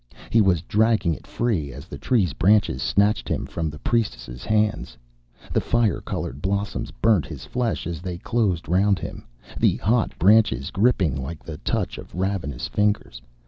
He was dragging it free as the Tree's branches snatched him from its priestess' hands. The fire colored blossoms burnt his flesh as they closed round him, the hot branches gripping like the touch of ravenous fingers.